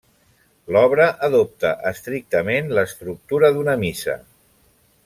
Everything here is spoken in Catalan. L'obra adopta estrictament l'estructura d'una missa.